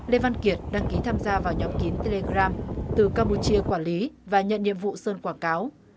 lê văn kiệt đăng ký tham gia vào nhóm kín telegram từ campuchia quản lý và nhận nhiệm vụ sơn quảng cáo